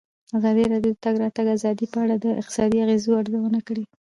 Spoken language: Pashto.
ازادي راډیو د د تګ راتګ ازادي په اړه د اقتصادي اغېزو ارزونه کړې.